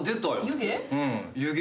湯気？